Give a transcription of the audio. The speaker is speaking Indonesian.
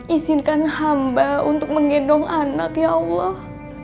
izinkan hamba untuk menggendong anak ya allah